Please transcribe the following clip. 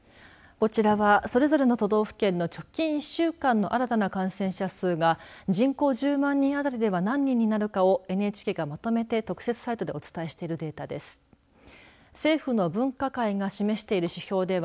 こちらは、それぞれの都道府県の直近１週間の新たな感染者数が人口１０万人あたりでは何人になるかをＮＨＫがまとめて特設サイトでお伝えしているデータです。